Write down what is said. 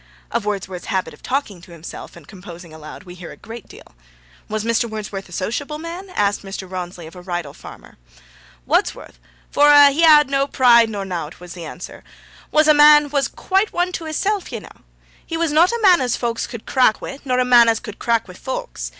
Of Wordsworth's habit of talking to himself, and composing aloud, we hear a great deal. 'Was Mr. Wordsworth a sociable man?' asked Mr. Rawnsley of a Rydal farmer. 'Wudsworth, for a' he had noa pride nor nowt,' was the answer, 'was a man who was quite one to hissel, ye kna. He was not a man as folks could crack wi', nor not a man as could crack wi' folks.